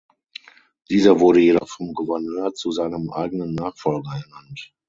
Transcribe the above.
Dieser wurde jedoch vom Gouverneur zu seinem eigenen Nachfolger ernannt.